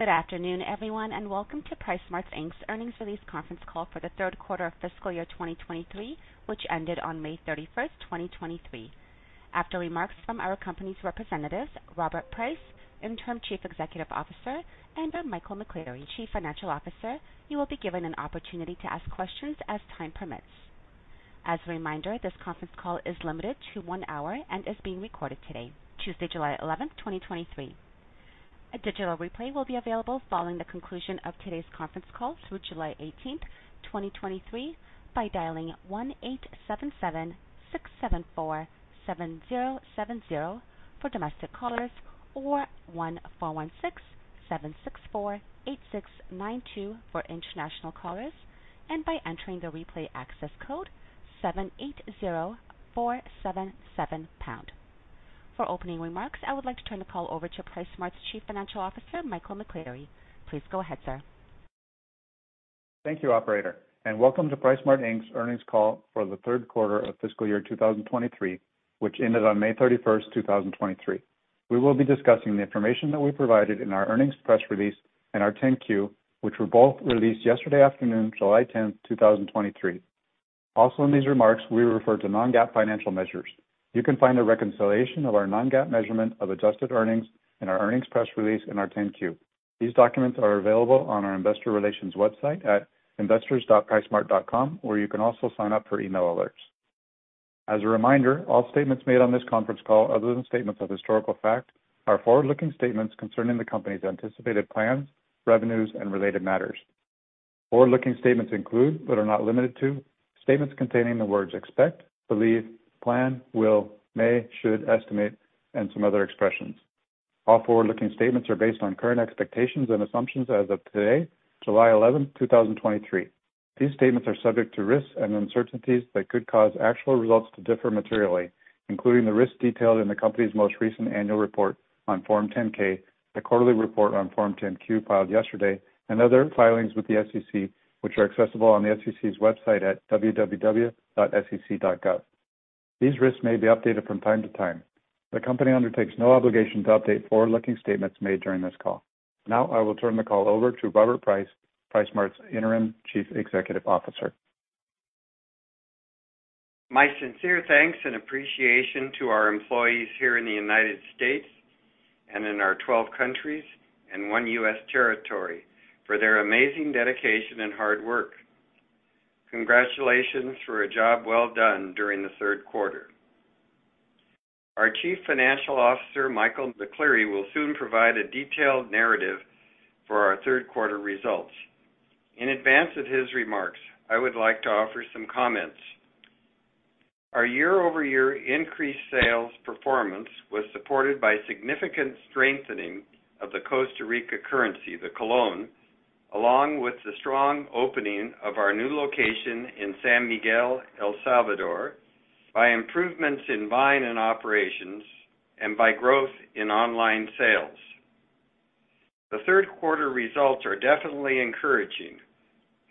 Good afternoon, everyone, and welcome to PriceSmart, Inc.'s Earnings Release conference call for the Q3 of fiscal year 2023, which ended on May 31st, 2023. After remarks from our company's representatives, Robert Price, Interim Chief Executive Officer, and by Michael McCleary, Chief Financial Officer, you will be given an opportunity to ask questions as time permits. As a reminder, this conference call is limited to one hour and is being recorded today, Tuesday, July 11th, 2023. A digital replay will be available following the conclusion of today's conference call through July 18th, 2023, by dialing 1-877-674-7070 for domestic callers or 1-416-764-8692 for international callers, and by entering the replay access code 780477 pound. For opening remarks, I would like to turn the call over to PriceSmart's Chief Financial Officer, Michael McCleary. Please go ahead, sir. Thank you, operator. Welcome to PriceSmart, Inc.'s earnings call for the Q3 of fiscal year 2023, which ended on May 31st, 2023. We will be discussing the information that we provided in our earnings press release and our 10-Q, which were both released yesterday afternoon, July 10th, 2023. In these remarks, we refer to non-GAAP financial measures. You can find a reconciliation of our non-GAAP measurement of adjusted earnings in our earnings press release and our 10-Q. These documents are available on our investor relations website at investors.pricesmart.com, where you can also sign up for email alerts. As a reminder, all statements made on this conference call, other than statements of historical fact, are forward-looking statements concerning the company's anticipated plans, revenues, and related matters. Forward-looking statements include, but are not limited to, statements containing the words expect, believe, plan, will, may, should, estimate, and some other expressions. All forward-looking statements are based on current expectations and assumptions as of today, July 11, 2023. These statements are subject to risks and uncertainties that could cause actual results to differ materially, including the risks detailed in the company's most recent annual report on Form 10-K, the quarterly report on Form 10-Q filed yesterday, and other filings with the SEC, which are accessible on the SEC's website at www.sec.gov. These risks may be updated from time to time. The company undertakes no obligation to update forward-looking statements made during this call. Now, I will turn the call over to Robert Price, PriceSmart's Interim Chief Executive Officer. My sincere thanks and appreciation to our employees here in the U.S. and in our 12 countries and one U.S. territory for their amazing dedication and hard work. Congratulations for a job well done during the Q3. Our Chief Financial Officer, Michael McCleary, will soon provide a detailed narrative for our Q3 results. In advance of his remarks, I would like to offer some comments. Our year-over-year increased sales performance was supported by significant strengthening of the Costa Rica currency, the Colón, along with the strong opening of our new location in San Miguel, El Salvador, by improvements in buying and operations, and by growth in online sales. The Q3 results are definitely encouraging.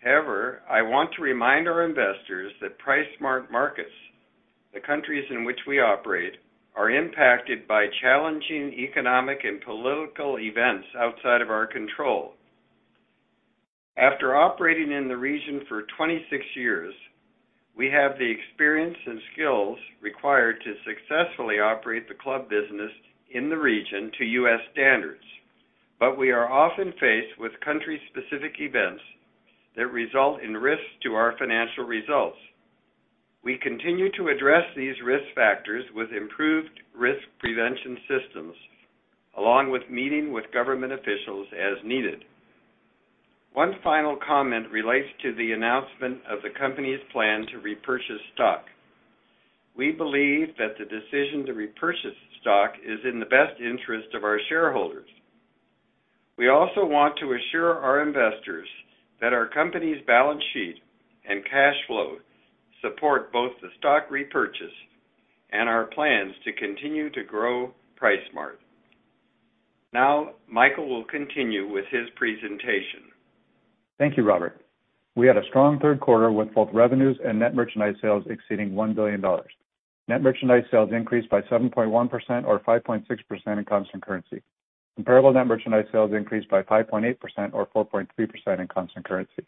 However, I want to remind our investors that PriceSmart markets, the countries in which we operate, are impacted by challenging economic and political events outside of our control. After operating in the region for 26 years, we have the experience and skills required to successfully operate the club business in the region to U.S. standards, but we are often faced with country-specific events that result in risks to our financial results. We continue to address these risk factors with improved risk prevention systems, along with meeting with government officials as needed. One final comment relates to the announcement of the company's plan to repurchase stock. We believe that the decision to repurchase stock is in the best interest of our shareholders. We also want to assure our investors that our company's balance sheet and cash flow support both the stock repurchase and our plans to continue to grow PriceSmart. Michael will continue with his presentation. Thank you, Robert. We had a strong Q3 with both revenues and net merchandise sales exceeding $1 billion. Net merchandise sales increased by 7.1% or 5.6% in constant currency. Comparable net merchandise sales increased by 5.8% or 4.3% in constant currency.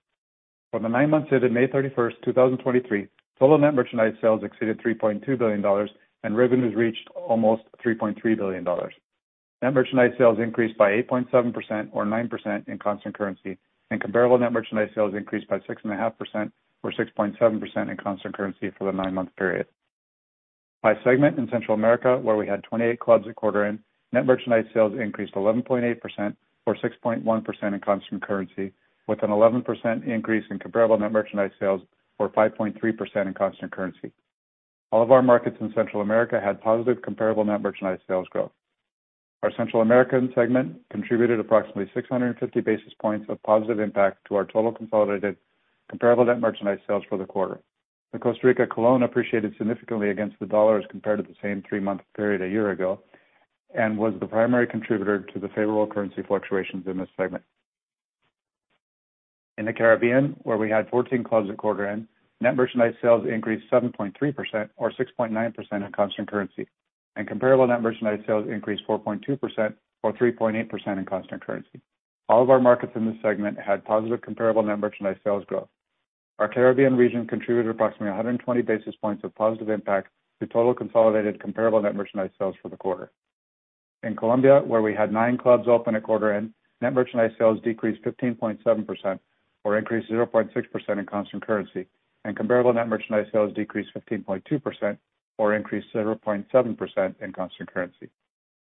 For the nine months ended May 31st, 2023, total net merchandise sales exceeded $3.2 billion, and revenues reached almost $3.3 billion. Net merchandise sales increased by 8.7% or 9% in constant currency, and comparable net merchandise sales increased by 6.5% or 6.7% in constant currency for the nine-month period. By segment in Central America, where we had 28 clubs a quarter in, net merchandise sales increased 11.8% or 6.1% in constant currency, with an 11% increase in comparable net merchandise sales or 5.3% in constant currency. All of our markets in Central America had positive comparable net merchandise sales growth. Our Central American segment contributed approximately 650 basis points of positive impact to our total consolidated comparable net merchandise sales for the quarter. The Costa Rica Colón appreciated significantly against the U.S. dollar compared to the same three-month period a year ago and was the primary contributor to the favorable currency fluctuations in this segment. In the Caribbean, where we had 14 clubs at quarter end, net merchandise sales increased 7.3% or 6.9% in constant currency, and comparable net merchandise sales increased 4.2% or 3.8% in constant currency. All of our markets in this segment had positive comparable net merchandise sales growth. Our Caribbean region contributed approximately 120 basis points of positive impact to total consolidated comparable net merchandise sales for the quarter. In Colombia, where we had nine clubs open at quarter end, net merchandise sales decreased 15.7% or increased 0.6% in constant currency, and comparable net merchandise sales decreased 15.2% or increased 0.7% in constant currency.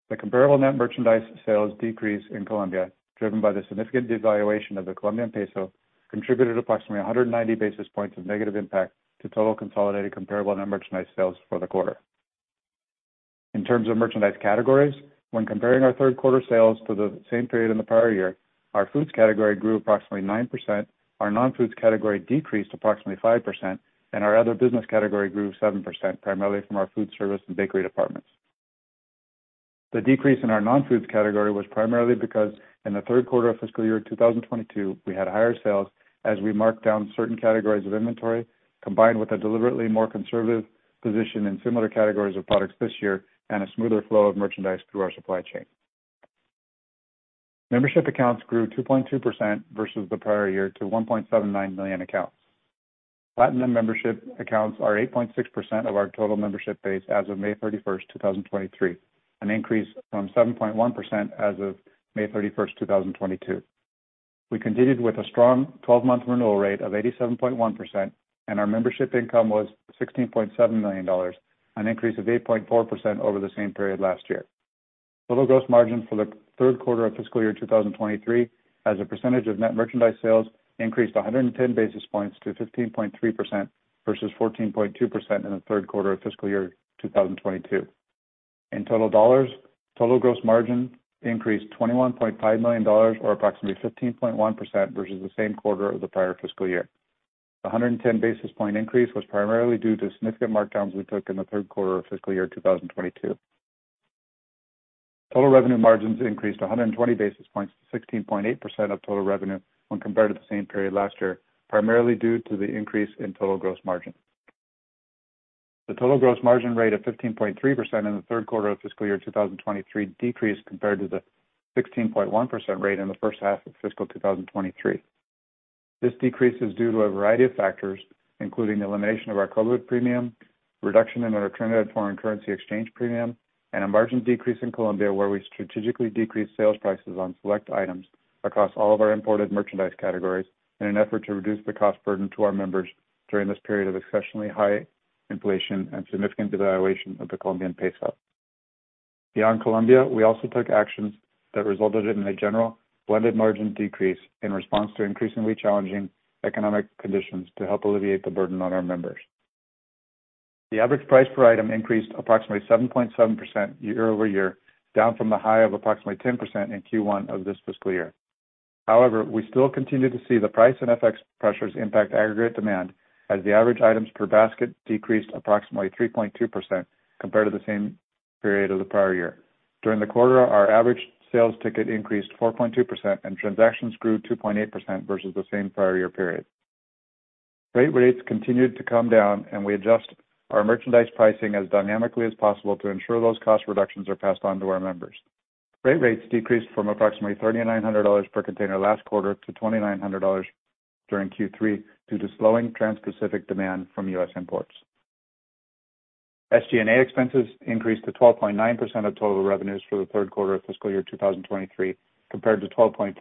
The comparable net merchandise sales decrease in Colombia, driven by the significant devaluation of the Colombian peso, contributed approximately 190 basis points of negative impact to total consolidated comparable net merchandise sales for the quarter. In terms of merchandise categories, when comparing our Q3 sales to the same period in the prior year, our foods category grew approximately 9%, our non-foods category decreased approximately 5%, and our other business category grew 7%, primarily from our food service and bakery departments. The decrease in our non-foods category was primarily because in the Q3 of fiscal year 2022, we had higher sales as we marked down certain categories of inventory, combined with a deliberately more conservative position in similar categories of products this year and a smoother flow of merchandise through our supply chain. Membership accounts grew 2.2% versus the prior year to 1.79 million accounts. Platinum Membership accounts are 8.6% of our total membership base as of May 31st, 2023, an increase from 7.1% as of May 31st, 2022. We continued with a strong 12-month renewal rate of 87.1%. Our membership income was $16.7 million, an increase of 8.4% over the same period last year. Total gross margin for the Q3 of fiscal year 2023, as a percentage of net merchandise sales, increased 110 basis points to 15.3% versus 14.2% in the Q3 of fiscal year 2022. In total dollars, total gross margin increased $21.5 million, or approximately 15.1% versus the same quarter of the prior fiscal year. A 110 basis point increase was primarily due to significant markdowns we took in the Q3 of fiscal year 2022. Total revenue margins increased 120 basis points to 16.8% of total revenue when compared to the same period last year, primarily due to the increase in total gross margin. The total gross margin rate of 15.3% in the Q3 of fiscal year 2023 decreased compared to the 16.1% rate in the H1 of fiscal 2023. This decrease is due to a variety of factors, including the elimination of our COVID premium, reduction in our Trinidad foreign currency exchange premium, and a margin decrease in Colombia, where we strategically decreased sales prices on select items across all of our imported merchandise categories in an effort to reduce the cost burden to our members during this period of exceptionally high inflation and significant devaluation of the Colombian peso. Beyond Colombia, we also took actions that resulted in a general blended margin decrease in response to increasingly challenging economic conditions to help alleviate the burden on our members. The average price per item increased approximately 7.7% year-over-year, down from a high of approximately 10% in Q1 of this fiscal year. We still continue to see the price and FX pressures impact aggregate demand, as the average items per basket decreased approximately 3.2% compared to the same period of the prior year. During the quarter, our average sales ticket increased 4.2%, and transactions grew 2.8% versus the same prior year period. Freight rates continued to come down, and we adjust our merchandise pricing as dynamically as possible to ensure those cost reductions are passed on to our members. Freight rates decreased from approximately $3,900 per container last quarter to $2,900 during Q3 due to slowing transpacific demand from U.S. imports. SG&A expenses increased to 12.9% of total revenues for the Q3 of fiscal year 2023, compared to 12.4%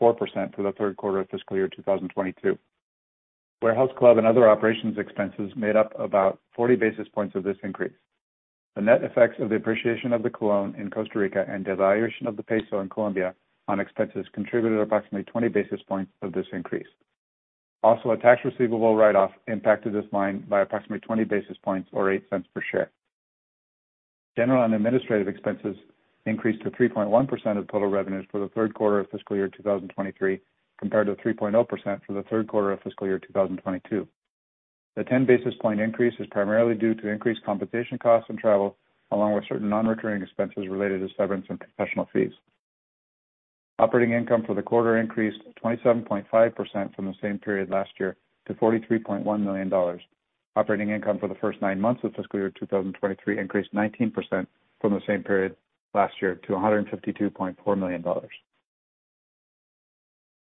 for the Q3 of fiscal year 2022. Warehouse club and other operations expenses made up about 40 basis points of this increase. The net effects of the appreciation of the Colón in Costa Rica and devaluation of the peso in Colombia on expenses contributed approximately 20 basis points of this increase. A tax receivable write-off impacted this line by approximately 20 basis points, or $0.08 per share. General and administrative expenses increased to 3.1% of total revenues for the Q3 of fiscal year 2023, compared to 3.0% for the Q3 of fiscal year 2022. The 10 basis point increase is primarily due to increased compensation costs and travel, along with certain non-recurring expenses related to severance and professional fees. Operating income for the quarter increased 27.5% from the same period last year to $43.1 million. Operating income for the first nine months of fiscal year 2023 increased 19% from the same period last year to $152.4 million.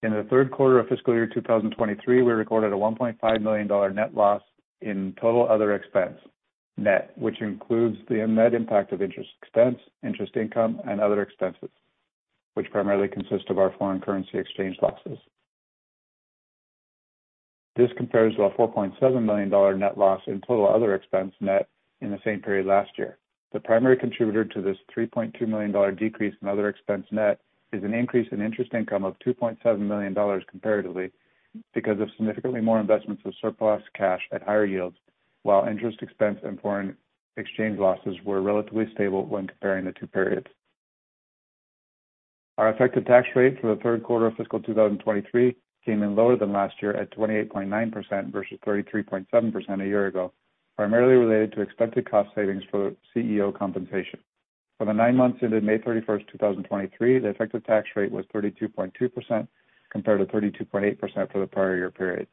In the Q3 of fiscal year 2023, we recorded a $1.5 million net loss in total other expense net, which includes the net impact of interest expense, interest income, and other expenses, which primarily consist of our foreign currency exchange losses. This compares to a $4.7 million net loss in total other expense net in the same period last year. The primary contributor to this $3.2 million decrease in other expense net is an increase in interest income of $2.7 million comparatively because of significantly more investments of surplus cash at higher yields, while interest expense and foreign exchange losses were relatively stable when comparing the two periods. Our effective tax rate for the Q3 of fiscal 2023 came in lower than last year at 28.9% versus 33.7% a year ago, primarily related to expected cost savings for CEO compensation. For the nine months ended May 31st, 2023, the effective tax rate was 32.2%, compared to 32.8% for the prior year period.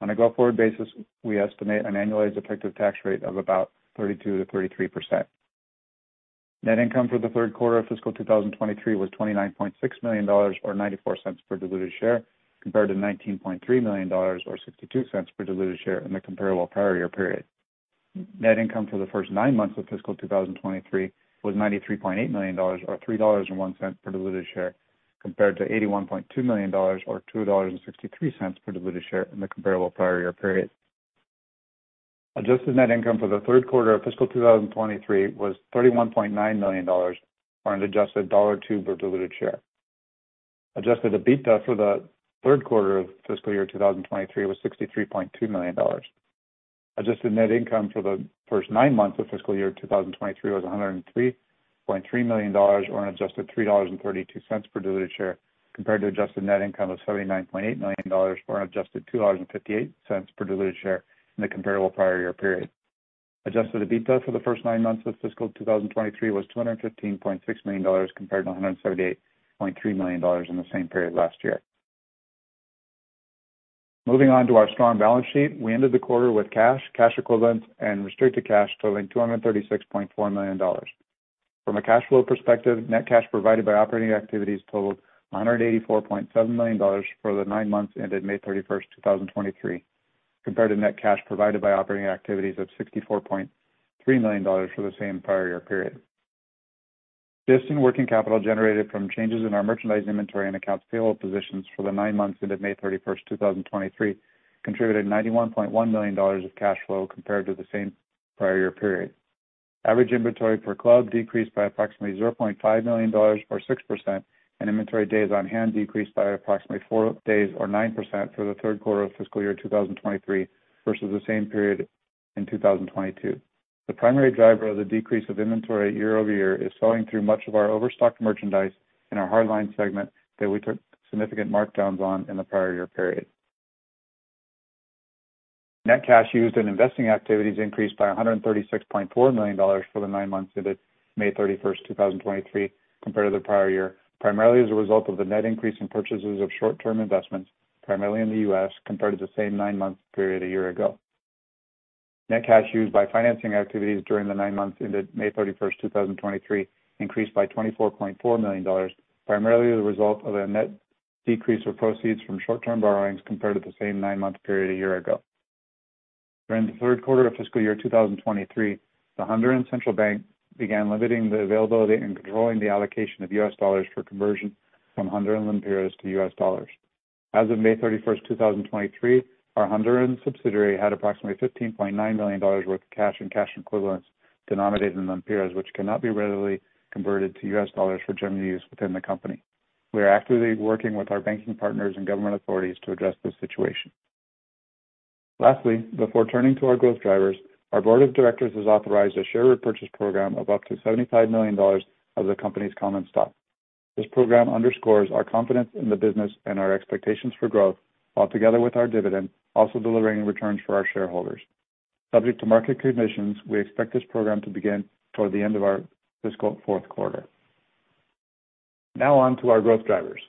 On a go-forward basis, we estimate an annualized effective tax rate of about 32%-33%. Net income for the Q3 of fiscal 2023 was $29.6 million, or $0.94 per diluted share, compared to $19.3 million, or $0.62 per diluted share in the comparable prior year period. Net income for the first nine months of fiscal 2023 was $93.8 million, or $3.01 per diluted share, compared to $81.2 million, or $2.63 per diluted share in the comparable prior year period. Adjusted net income for the Q3 of fiscal 2023 was $31.9 million on an adjusted $1.02 per diluted share. Adjusted EBITDA for the Q3 of fiscal year 2023 was $63.2 million. Adjusted net income for the first nine months of fiscal year 2023 was $103.3 million, or an adjusted $3.32 per diluted share, compared to adjusted net income of $79.8 million, or an adjusted $2.58 per diluted share in the comparable prior year period. Adjusted EBITDA for the first nine months of fiscal 2023 was $215.6 million, compared to $138.3 million in the same period last year. Moving on to our strong balance sheet. We ended the quarter with cash equivalents, and restricted cash totaling $236.4 million. From a cash flow perspective, net cash provided by operating activities totaled $184.7 million for the nine months ended May 31st, 2023, compared to net cash provided by operating activities of $64.3 million for the same prior year period. This, in working capital, generated from changes in our merchandise inventory and accounts payable positions for the nine months ended May 31st, 2023, contributed $91.1 million of cash flow compared to the same prior year period. Average inventory per club decreased by approximately $0.5 million, or 6%, and inventory days on hand decreased by approximately four days, or 9%, for the Q3 of fiscal year 2023 versus the same period in 2022. The primary driver of the decrease of inventory year-over-year is selling through much of our overstocked merchandise in our hard line segment that we took significant markdowns on in the prior year period. Net cash used in investing activities increased by $136.4 million for the nine months ended May 31st, 2023, compared to the prior year, primarily as a result of the net increase in purchases of short-term investments, primarily in the U.S., compared to the same nine-month period a year ago. Net cash used by financing activities during the nine months ended May 31st, 2023, increased by $24.4 million, primarily the result of a net decrease of proceeds from short-term borrowings compared to the same nine-month period a year ago. During the Q3 of fiscal year 2023, the Honduran Central Bank began limiting the availability and controlling the allocation U.S. dollars for conversion from Honduran lempiras U.S. dollars. as of May 31st, 2023, our Honduran subsidiary had approximately $15.9 million worth of cash and cash equivalents denominated in lempiras, which cannot be readily converted U.S. dollars for general use within the company. We are actively working with our banking partners and government authorities to address this situation. Lastly, before turning to our growth drivers, our board of directors has authorized a share repurchase program of up to $75 million of the company's common stock. This program underscores our confidence in the business and our expectations for growth, while together with our dividend, also delivering returns for our shareholders. Subject to market conditions, we expect this program to begin toward the end of our fiscal Q4. On to our growth drivers.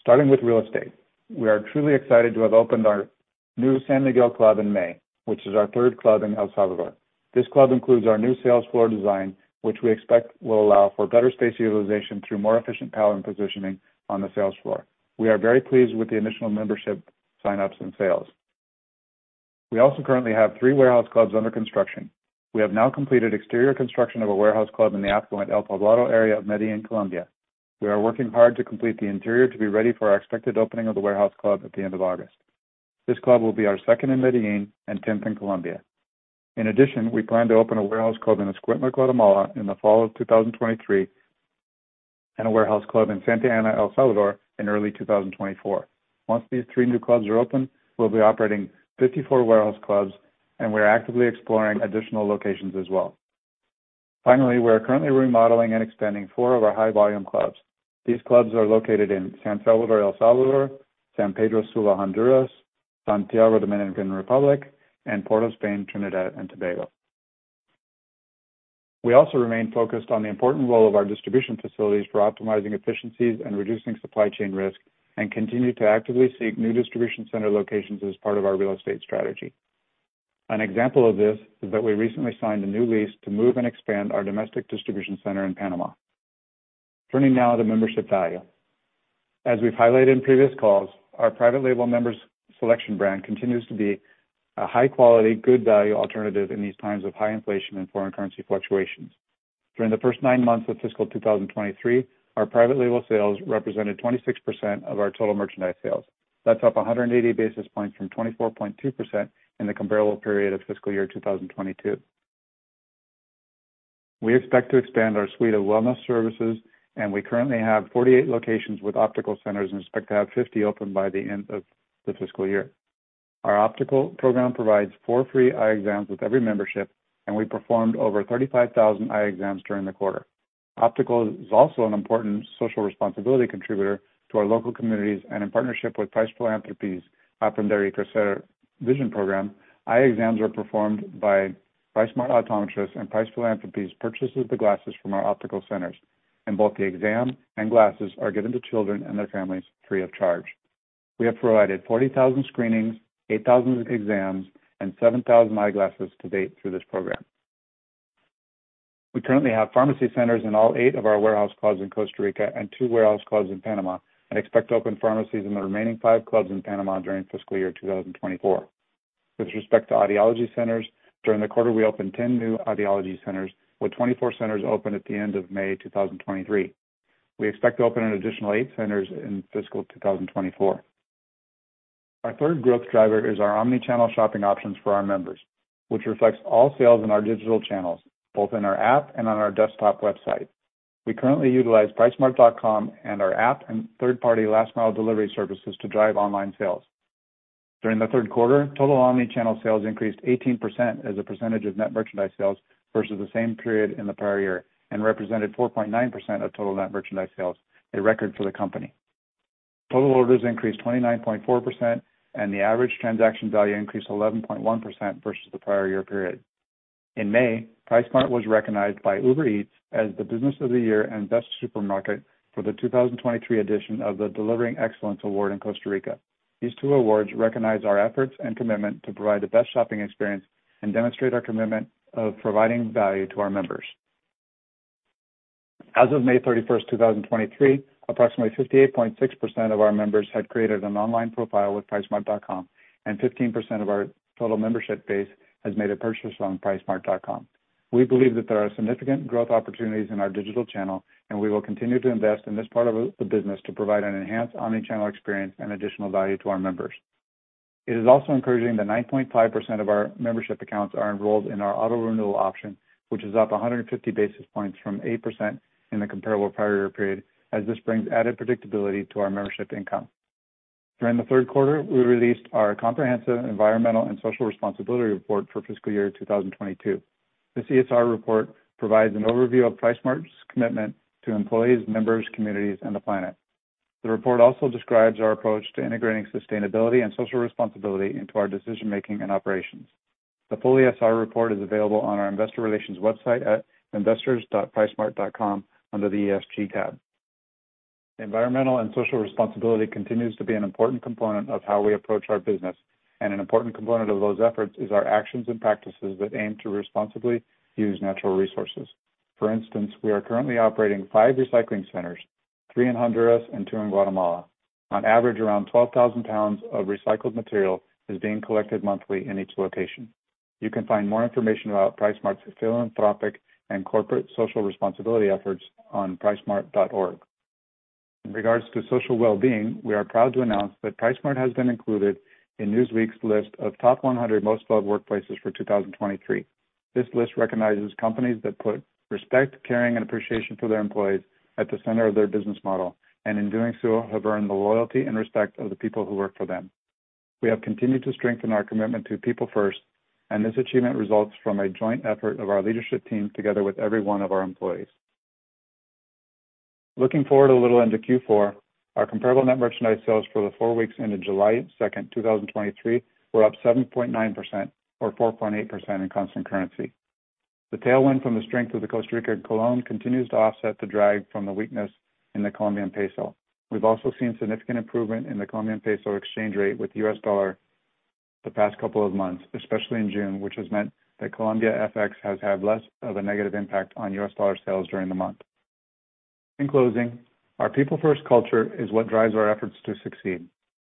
Starting with real estate, we are truly excited to have opened our new San Miguel club in May, which is our third club in El Salvador. This club includes our new sales floor design, which we expect will allow for better space utilization through more efficient pal and positioning on the sales floor. We are very pleased with the initial membership sign-ups and sales. We also currently have three warehouse clubs under construction. We have now completed exterior construction of a warehouse club in the affluent El Poblado area of Medellín, Colombia. We are working hard to complete the interior to be ready for our expected opening of the warehouse club at the end of August. This club will be our second in Medellín and tenth in Colombia. In addition, we plan to open a warehouse club in Escuintla, Guatemala, in the fall of 2023, and a warehouse club in Santa Ana, El Salvador, in early 2024. Once these three new clubs are open, we'll be operating 54 warehouse clubs, and we are actively exploring additional locations as well. Finally, we are currently remodeling and expanding four of our high-volume clubs. These clubs are located in San Salvador, El Salvador, San Pedro Sula, Honduras, Santiago, Dominican Republic, and Port of Spain, Trinidad and Tobago. We also remain focused on the important role of our distribution facilities for optimizing efficiencies and reducing supply chain risk, and continue to actively seek new distribution center locations as part of our real estate strategy. An example of this is that we recently signed a new lease to move and expand our domestic distribution center in Panama. Turning now to membership value. As we've highlighted in previous calls, our private label Member's Selection brand continues to be a high quality, good value alternative in these times of high inflation and foreign currency fluctuations. During the first nine months of fiscal 2023, our private label sales represented 26% of our total merchandise sales. That's up 180 basis points from 24.2% in the comparable period of fiscal year 2022. We expect to expand our suite of wellness services, and we currently have 48 locations with optical centers and expect to have 50 open by the end of the fiscal year. Our optical program provides 4 free eye exams with every membership. We performed over 35,000 eye exams during the quarter. Optical is also an important social responsibility contributor to our local communities. In partnership with Price Philanthropies' Aprender y Crecer vision program, eye exams are performed by PriceSmart optometrists. Price Philanthropies purchases the glasses from our optical centers. Both the exam and glasses are given to children and their families free of charge. We have provided 40,000 screenings, 8,000 exams, and 7,000 eyeglasses to date through this program. We currently have pharmacy centers in all eight of our warehouse clubs in Costa Rica and two warehouse clubs in Panama. Expect to open pharmacies in the remaining five clubs in Panama during fiscal year 2024. With respect to audiology centers, during the quarter, we opened 10 new audiology centers, with 24 centers open at the end of May 2023. We expect to open an additional eight centers in fiscal 2024. Our third growth driver is our omni-channel shopping options for our members, which reflects all sales in our digital channels, both in our app and on our desktop website. We currently utilize pricesmart.com and our app and third-party last mile delivery services to drive online sales. During the Q3, total omni-channel sales increased 18% as a percentage of net merchandise sales versus the same period in the prior year, and represented 4.9% of total net merchandise sales, a record for the company. Total orders increased 29.4%, and the average transaction value increased 11.1% versus the prior year period. In May, PriceSmart was recognized by Uber Eats as the business of the year and best supermarket for the 2023 edition of the Delivering Excellence award in Costa Rica. These two awards recognize our efforts and commitment to provide the best shopping experience and demonstrate our commitment of providing value to our members. As of May 31st, 2023, approximately 58.6% of our members had created an online profile with pricesmart.com, and 15% of our total membership base has made a purchase on pricesmart.com. We believe that there are significant growth opportunities in our digital channel, and we will continue to invest in this part of the business to provide an enhanced omni-channel experience and additional value to our members. It is also encouraging that 9.5% of our membership accounts are enrolled in our auto renewal option, which is up 150 basis points from 8% in the comparable prior year period, as this brings added predictability to our membership income. During the Q3, we released our comprehensive environmental and social responsibility report for fiscal year 2022. This ESR report provides an overview of PriceSmart's commitment to employees, members, communities, and the planet. The report also describes our approach to integrating sustainability and social responsibility into our decision making and operations. The full ESR report is available on our investor relations website at investors.pricesmart.com under the ESG tab. Environmental and social responsibility continues to be an important component of how we approach our business, and an important component of those efforts is our actions and practices that aim to responsibly use natural resources. For instance, we are currently operating five recycling centers, three in Honduras and two in Guatemala. On average, around 12,000 lbs of recycled material is being collected monthly in each location. You can find more information about PriceSmart's philanthropic and corporate social responsibility efforts on pricesmart.org. In regards to social well-being, we are proud to announce that PriceSmart has been included in Newsweek's list of top 100 most loved workplaces for 2023. This list recognizes companies that put respect, caring, and appreciation for their employees at the center of their business model, and in doing so, have earned the loyalty and respect of the people who work for them. We have continued to strengthen our commitment to people first. This achievement results from a joint effort of our leadership team together with every one of our employees. Looking forward a little into Q4, our comparable net merchandise sales for the four weeks ended July 2nd, 2023, were up 7.9% or 4.8% in constant currency. The tailwind from the strength of the Costa Rica Colón continues to offset the drag from the weakness in the Colombian peso. We've also seen significant improvement in the Colombian peso exchange rate with the U.S. dollar the past couple of months, especially in June, which has meant that Colombia FX has had less of a negative impact on U.S. dollar sales during the month. In closing, our people-first culture is what drives our efforts to succeed.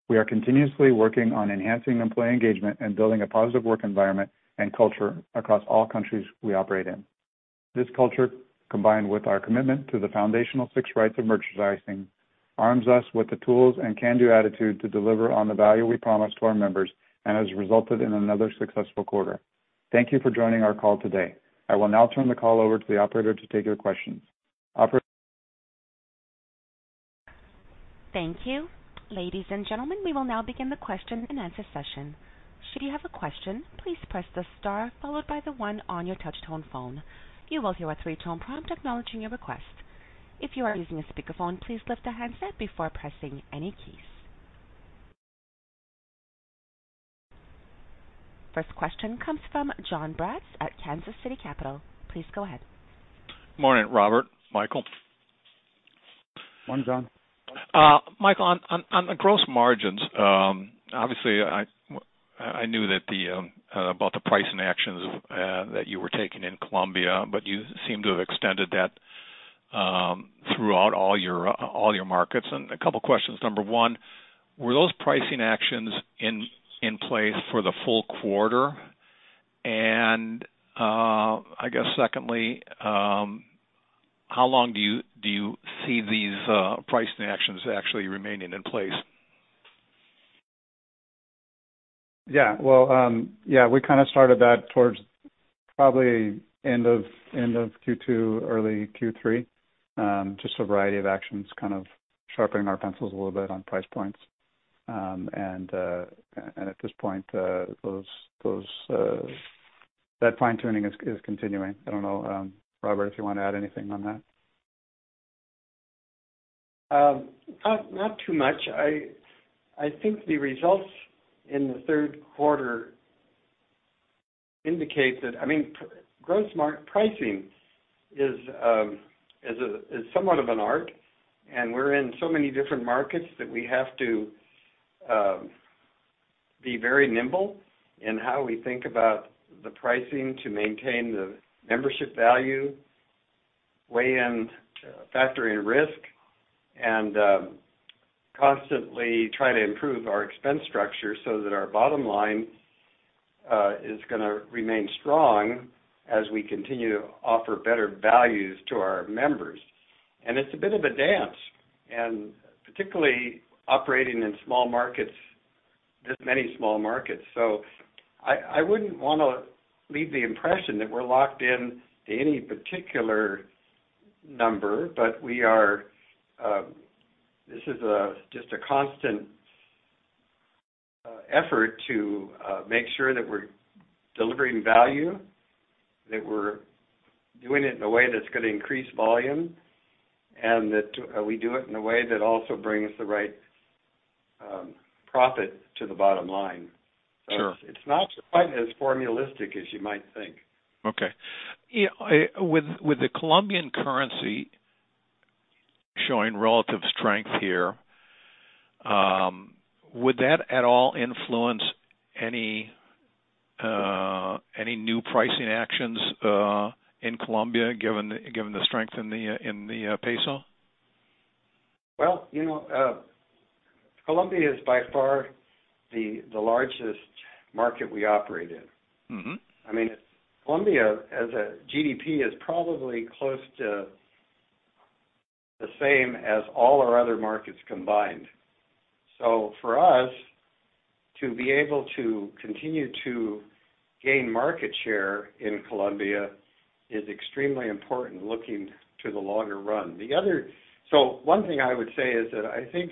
We are continuously working on enhancing employee engagement and building a positive work environment and culture across all countries we operate in. This culture, combined with our commitment to the foundational six rights of merchandising, arms us with the tools and can-do attitude to deliver on the value we promise to our members and has resulted in another successful quarter. Thank you for joining our call today. I will now turn the call over to the operator to take your questions. Operator? Thank you. Ladies and gentlemen, we will now begin the question-and-answer session. Should you have a question, please press the star followed by the one on your touchtone phone. You will hear a three-tone prompt acknowledging your request. If you are using a speakerphone, please lift the handset before pressing any keys. First question comes from Jon Braatz at Kansas City Capital. Please go ahead. Morning, Robert, Michael. Morning, Jon. Michael, on the gross margins, obviously, I knew about the pricing actions that you were taking in Colombia, but you seem to have extended that throughout all your markets. A couple questions. Number one, were those pricing actions in place for the full quarter? I guess secondly, how long do you see these pricing actions actually remaining in place? Well, we kind of started that towards probably end of, end of Q2, early Q3, just a variety of actions, kind of sharpening our pencils a little bit on price points. At this point, those, that fine-tuning is continuing. I don't know, Robert, if you want to add anything on that. Not too much. I think the results in the Q3 indicate that, I mean, gross mark pricing is somewhat of an art, and we're in so many different markets that we have to be very nimble in how we think about the pricing to maintain the membership value, weigh in, factor in risk, and constantly try to improve our expense structure so that our bottom line is gonna remain strong as we continue to offer better values to our members. It's a bit of a dance, and particularly operating in small markets, this many small markets. I wouldn't wanna leave the impression that we're locked in to any particular number. We are. This is just a constant effort to make sure that we're delivering value, that we're doing it in a way that's gonna increase volume, and that we do it in a way that also brings the right profit to the bottom line. Sure. It's not quite as formulistic as you might think. Okay. Yeah, With the Colombian currency showing relative strength here, would that at all influence any new pricing actions in Colombia, given the strength in the peso? Well, you know, Colombia is by far the largest market we operate in. Mm-hmm. I mean, Colombia, as a GDP, is probably close to the same as all our other markets combined. For us, to be able to continue to gain market share in Colombia is extremely important, looking to the longer run. One thing I would say is that I think,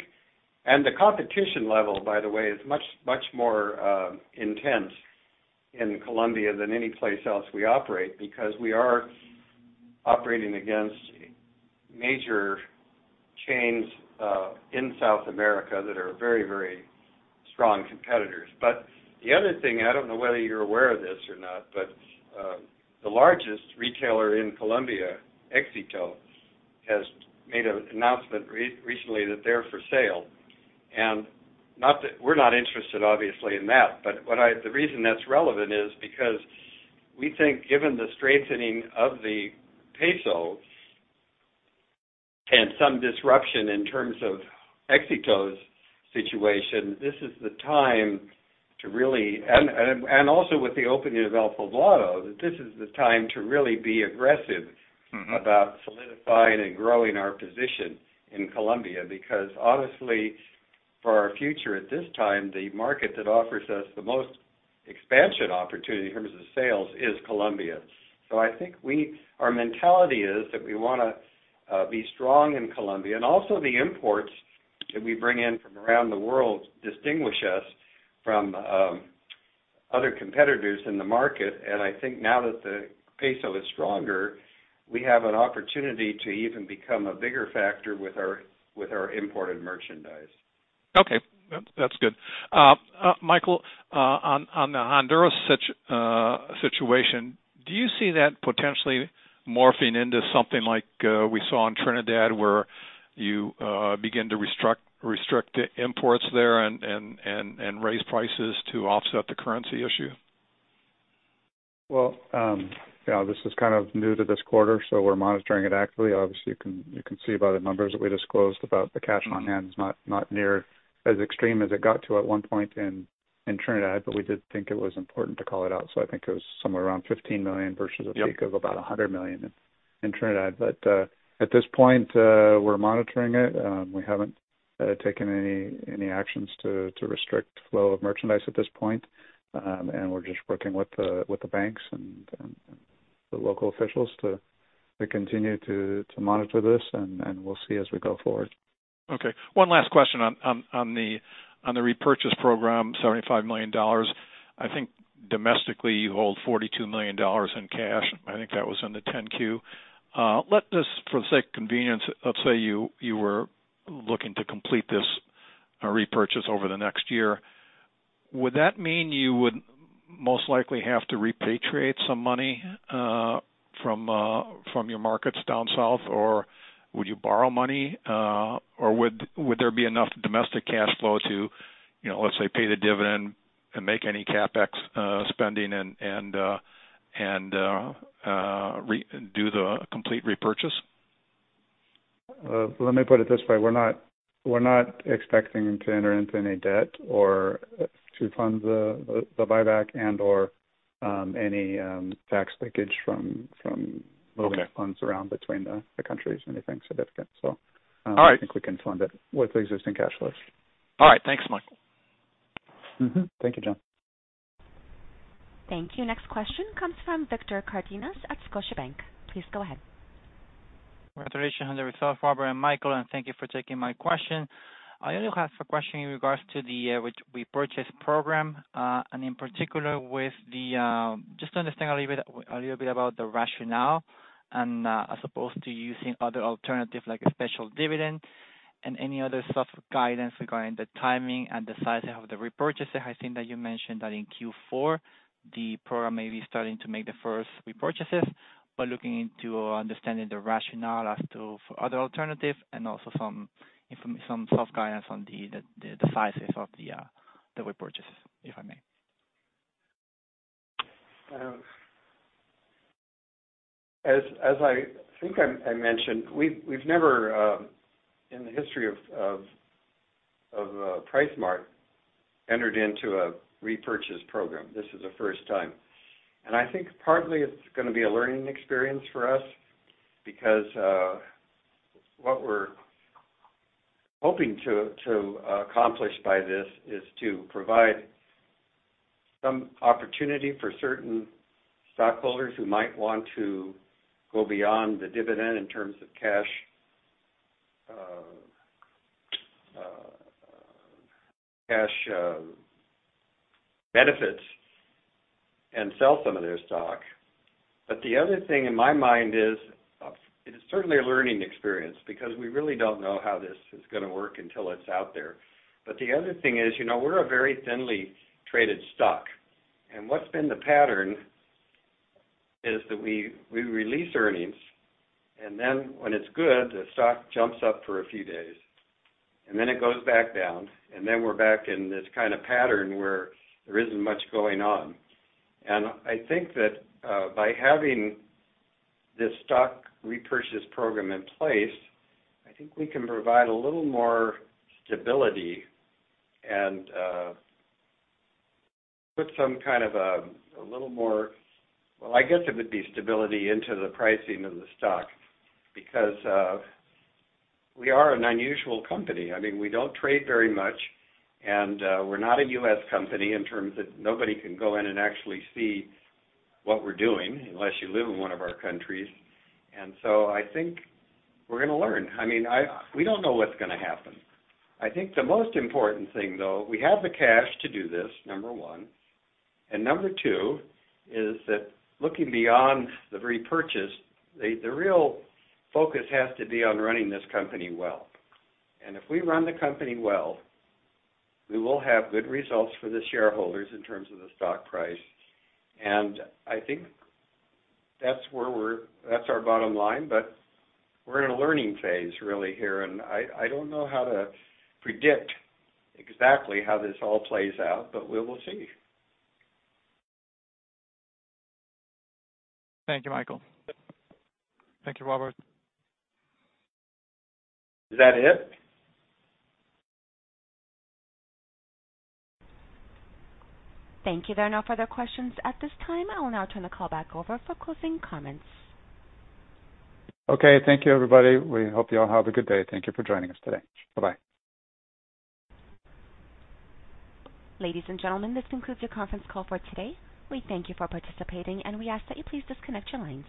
and the competition level, by the way, is much, much more intense in Colombia than any place else we operate, because we are operating against major chains in South America that are very, very strong competitors. The other thing, I don't know whether you're aware of this or not, but the largest retailer in Colombia, Éxito, has made an announcement recently that they're for sale. Not that we're not interested, obviously, in that, but what I, the reason that's relevant is because we think, given the strengthening of the peso and some disruption in terms of Éxito's situation, this is the time to really... Also with the opening of El Poblado, that this is the time to really be aggressive... Mm-hmm. about solidifying and growing our position in Colombia, because honestly, for our future, at this time, the market that offers us the most expansion opportunity in terms of sales is Colombia. I think we, our mentality is that we wanna be strong in Colombia, and also the imports that we bring in from around the world distinguish us from other competitors in the market. I think now that the peso is stronger, we have an opportunity to even become a bigger factor with our imported merchandise. Okay, that's good. Michael, on the Honduras situation, do you see that potentially morphing into something like we saw in Trinidad, where you begin to restrict the imports there and raise prices to offset the currency issue? This is kind of new to this quarter, we're monitoring it actively. Obviously, you can see by the numbers that we disclosed about the cash on hand is not near as extreme as it got to at one point in Trinidad, we did think it was important to call it out, I think it was somewhere around $15 million versus- Yep. A peak of about $100 million in Trinidad. At this point, we're monitoring it. We haven't taken any actions to restrict flow of merchandise at this point. We're just working with the banks and the local officials to continue to monitor this, and we'll see as we go forward. Okay. One last question on the repurchase program, $75 million. I think domestically, you hold $42 million in cash. I think that was in the 10-Q. Let this, for the sake of convenience, let's say you were looking to complete this repurchase over the next year. Would that mean you would most likely have to repatriate some money from your markets down south, or would you borrow money? Or would there be enough domestic cash flow to, you know, let's say, pay the dividend and make any CapEx spending and do the complete repurchase? Let me put it this way, we're not expecting to enter into any debt or to fund the buyback and/or any tax leakage from. Okay Moving the funds around between the countries, anything significant. All right. I think we can fund it with existing cash flows. All right. Thanks, Michael. Mm-hmm. Thank you, Jon. Thank you. Next question comes from Víctor Cárdenas at Scotiabank. Please go ahead. Congratulations on the results, Robert and Michael. Thank you for taking my question. I only have a question in regards to the which we purchased program, and in particular, just to understand a little bit about the rationale as opposed to using other alternative, like a special dividend? Any other soft guidance regarding the timing and the sizing of the repurchase? I think that you mentioned that in Q4, the program may be starting to make the first repurchases, but looking into understanding the rationale as to other alternatives and also some soft guidance on the sizes of the repurchases, if I may. As I think I mentioned, we've never in the history of PriceSmart, entered into a repurchase program. This is the first time. I think partly it's gonna be a learning experience for us because what we're hoping to accomplish by this is to provide some opportunity for certain stockholders who might want to go beyond the dividend in terms of cash benefits and sell some of their stock. The other thing in my mind is, it is certainly a learning experience because we really don't know how this is gonna work until it's out there. The other thing is, you know, we're a very thinly traded stock, and what's been the pattern is that we release earnings, and then when it's good, the stock jumps up for a few days, and then it goes back down, and then we're back in this kind of pattern where there isn't much going on. I think that, by having this stock repurchase program in place, I think we can provide a little more stability and put some kind of a little more. Well, I guess it would be stability into the pricing of the stock because we are an unusual company. I mean, we don't trade very much, and we're not a U.S. company in terms of nobody can go in and actually see what we're doing unless you live in one of our countries. I think we're gonna learn. I mean, we don't know what's gonna happen. I think the most important thing, though, we have the cash to do this, number one, and number two is that looking beyond the repurchase, the real focus has to be on running this company well. If we run the company well, we will have good results for the shareholders in terms of the stock price. I think that's where we're that's our bottom line, but we're in a learning phase really here, and I don't know how to predict exactly how this all plays out, but we will see. Thank you, Michael. Thank you, Robert. Is that it? Thank you. There are no further questions at this time. I will now turn the call back over for closing comments. Okay, thank you, everybody. We hope you all have a good day. Thank you for joining us today. Bye-bye. Ladies and gentlemen, this concludes your conference call for today. We thank you for participating, we ask that you please disconnect your lines.